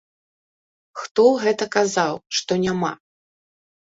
Хто гэта казаў, што няма?!